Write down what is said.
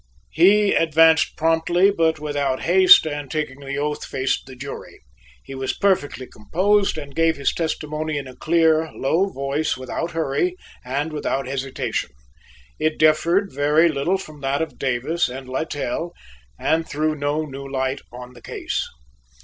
He advanced promptly but without haste and, taking the oath, faced the jury. He was perfectly composed, and gave his testimony in a clear low voice without hurry and without hesitation. It differed very little from that of Davis and Littell and threw no new light on the case.